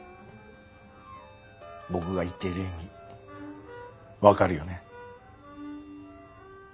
僕が言ってる意味分かるよね？